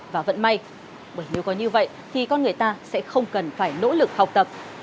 và vẫn may bởi nếu có như vậy thì con người ta sẽ không cần phải nỗ lực học tập